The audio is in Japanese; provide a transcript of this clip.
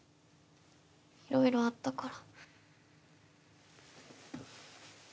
いろいろあったから。